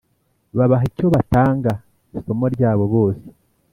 babaha icyo batanga; isomo ryabo bose